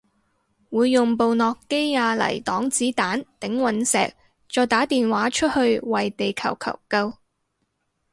會用部諾基亞嚟擋子彈頂隕石再打電話出去為地球求救